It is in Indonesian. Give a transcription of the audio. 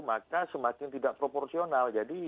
maka semakin tidak proporsional